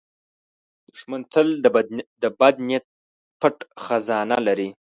دښمن تل د بد نیت پټ خزانه لري